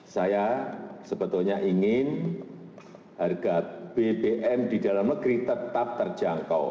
saya sebetulnya ingin harga bbm di dalam negeri tetap terjangkau